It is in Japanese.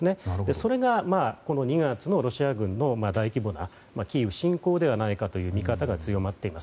それが２月のロシア軍の大規模なキーウ侵攻ではないかという見方が強まっています。